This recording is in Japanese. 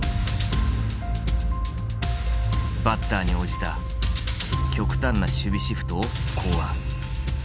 バッターに応じた極端な守備シフトを考案。